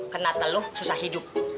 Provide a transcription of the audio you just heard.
kena teluh susah hidup